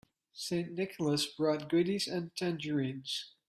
St. Nicholas brought goodies and tangerines.